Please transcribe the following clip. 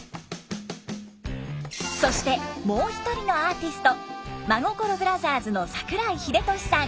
そしてもう一人のアーティスト真心ブラザーズの桜井秀俊さん。